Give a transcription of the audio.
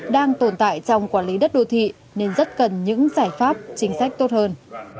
đang tồn tại trong quản lý đất đô thị nên rất cần những giải pháp chính sách tốt hơn